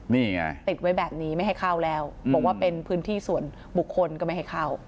นี่ไงติดไว้แบบนี้ไม่ให้เข้าแล้วบอกว่าเป็นพื้นที่ส่วนบุคคลก็ไม่ให้เข้า